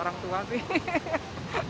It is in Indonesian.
orang tua sih